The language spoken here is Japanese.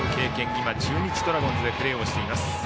今、中日ドラゴンズでプレーをしています。